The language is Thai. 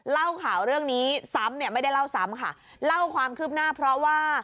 เล่าข่าวเรื่องนี้ซ้ำเนี่ยไม่ได้เล่าซ้ำค่ะเล่าความคืบหน้าเพราะว่า